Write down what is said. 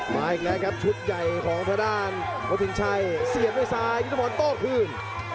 มาอีกแล้วครับชุดใหญ่ของทางด้านวัดสินชัยเสียบด้วยซ้ายยุทธพรโต้คืน